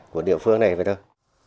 của địa phương này vậy thôi